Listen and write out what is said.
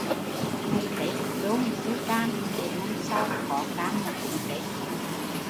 Ngày Tết lôn một cây cam để năm sau có cam mà cúng Tết